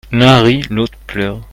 L'un rit, l'autre pleure.